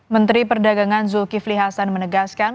menteri perdagangan zulkifli hasan menegaskan